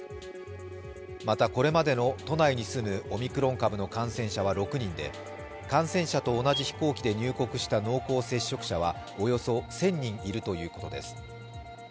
また、これまでの都内に住むオミクロン株の感染者は６人で感染者と同じ飛行機で入国した濃厚接触者はおよそ１０００人いるということです。